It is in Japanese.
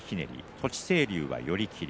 栃清龍が寄り切り。